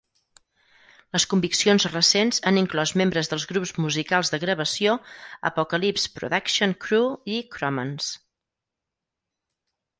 Les conviccions recents han inclòs membres dels grups musicals de gravació Apocalypse Production Crew i Chromance.